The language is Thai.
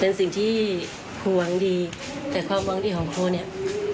เป็นสิ่งที่ห่วงดีแต่ความหวังดีของครูเนี่ย